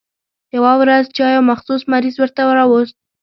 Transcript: يوه ورځ چا يو مخصوص مریض ورته راوست.